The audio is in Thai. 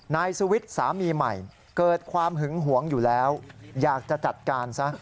นายสุวิทย์สามีใหม่เกิดความหึงหวงอยู่แล้วอยากจะจัดการซะ